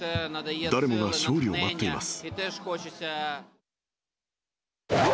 誰もが勝利を待っています。